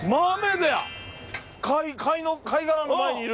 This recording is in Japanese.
貝殻の前にいる。